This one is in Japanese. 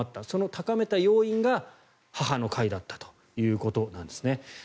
その高めた要因が母の会だったということですね。